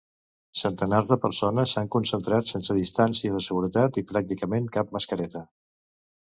Centenars de persones s'han concentrat sense distància de seguretat i pràcticament cap mascareta.